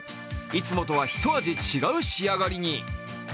いつもとは一味違う仕上がりに。